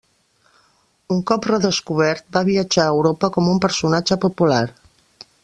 Un cop redescobert, va viatjar a Europa com un personatge popular.